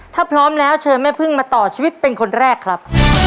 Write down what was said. ถ้าพร้อมแล้วเชิญแม่พึ่งมาต่อชีวิตเป็นคนแรกครับ